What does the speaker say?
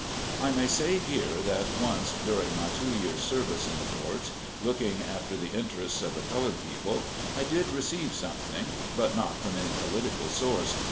I may say here, that once, during my two years' service in the courts, looking after the interests of the colored people, I did receive something ; but not from any political source.